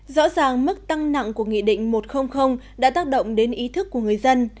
rõ ràng mức tăng nặng của nghị định một đã tác động đến ý thức của người dân